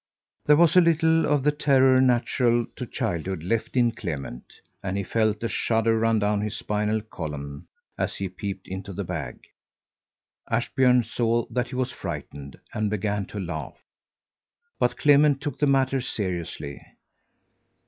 There was a little of the terror natural to childhood left in Clement, and he felt a shudder run down his spinal column as he peeped into the bag. Ashbjörn saw that he was frightened and began to laugh; but Clement took the matter seriously.